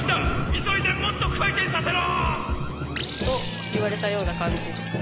急いでもっと回転させろ！と言われたような感じ。